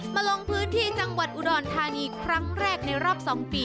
ลงพื้นที่จังหวัดอุดรธานีครั้งแรกในรอบ๒ปี